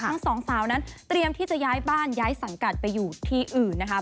ทั้งสองสาวนั้นเตรียมที่จะย้ายบ้านย้ายสังกัดไปอยู่ที่อื่นนะคะ